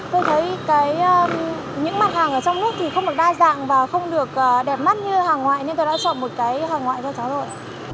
tôi thấy những mặt hàng ở trong nước thì không được đa dạng và không được đẹp mắt như hàng ngoại nhưng tôi đã chọn một cái hàng ngoại cho xã hội